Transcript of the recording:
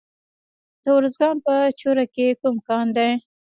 د ارزګان په چوره کې کوم کان دی؟